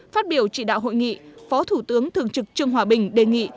phát biểu chỉ đạo hội nghị phó thủ tướng thường trực trương hòa bình đề nghị